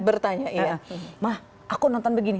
bertanya iya mah aku nonton begini